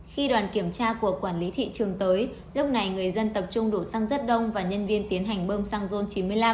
khi đoàn kiểm tra của quản lý thị trường tới lúc này người dân tập trung đổ xăng rất đông và nhân viên tiến hành bơm xăng chín mươi năm